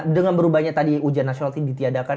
dengan berubahnya tadi ujian nasional ini ditiadakan